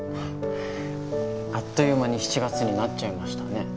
あっという間に７月になっちゃいましたね。